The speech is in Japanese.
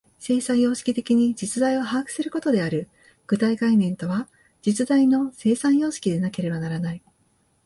生産様式的に実在を把握することである。具体概念とは、実在の生産様式でなければならない。